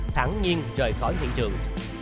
thẳng nhiên rời khỏi hiện trường